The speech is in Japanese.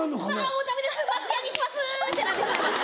もうダメです「松屋にします」ってなってしまいます。